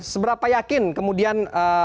seberapa yakin kemudian